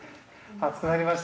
暑くなりました。